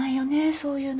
そういうの。